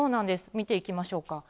見ていきましょうか。